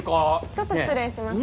ちょっと失礼しますね。